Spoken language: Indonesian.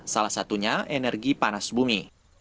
salah satunya energi panas bumi